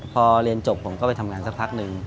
พอเรียนจบผมก็ไปทำงานสักพักนึง